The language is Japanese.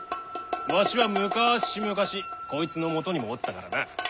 わしはむかしむかしこいつのもとにもおったからな。